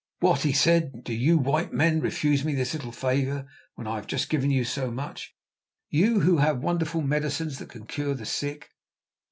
"What!" he said, "do you white men refuse me this little favour, when I have just given you so much—you who have wonderful medicines that can cure the sick?"